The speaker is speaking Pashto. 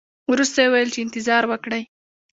ورسته یې وویل چې انتظار وکړئ.